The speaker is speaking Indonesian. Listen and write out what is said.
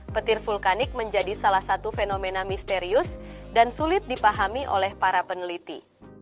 petir vulkanik menjadi salah satu fenomena misterius dan sulit dipahami oleh para peneliti